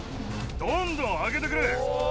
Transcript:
どんどん上げてくれ。